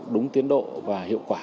đúng tiến độ và hiệu quả